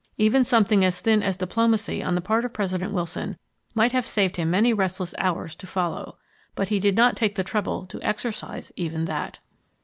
Even something as thin as diplomacy on the part of President Wilson might have saved him many restless hours to follow, but he did not take the trouble to exercise even that.